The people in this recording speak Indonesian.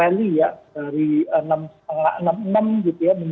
sehingga pasar punya potensi untuk bergerak rally ya